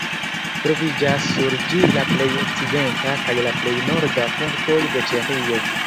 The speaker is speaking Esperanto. Troviĝas sur ĝi la plej okcidenta kaj la plej norda punktoj de Ĉeĥio.